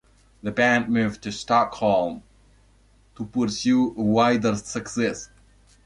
The band moved to Stockholm to pursue wider success.